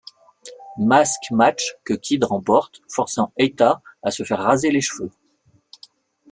Mask Match que Kid remporte, forçant Eita à se faire raser les cheveux.